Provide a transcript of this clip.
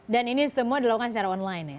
dan ini semua dilakukan secara online ya